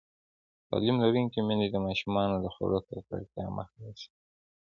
تعلیم لرونکې میندې د ماشومانو د خوړو ککړتیا مخه نیسي.